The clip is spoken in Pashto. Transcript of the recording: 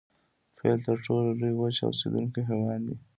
فیل تر ټولو لوی وچ اوسیدونکی حیوان دی